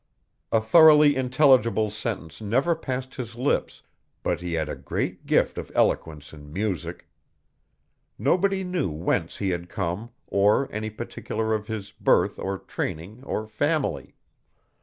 A thoroughly intelligible sentence never passed his lips, but he had a great gift of eloquence in music. Nobody knew whence he had come or any particular of his birth or training or family.